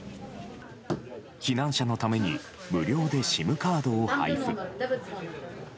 避難者のために無料でＳＩＭカードを配布。